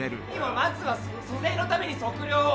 まずは租税のために測量を。